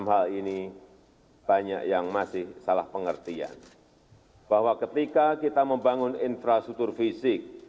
cnn indonesia bersatu indonesia